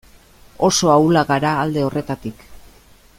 Oso ahulak gara alde horretatik.